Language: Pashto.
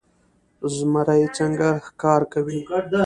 زمری څنګه ښکار کوي؟